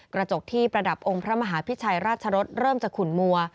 กระจกที่ประดับองค์พระมหาพิชัยราชรสเริ่มจะขุนมัว